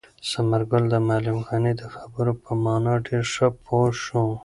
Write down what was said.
ثمر ګل د معلم غني د خبرو په مانا ډېر ښه پوه شو.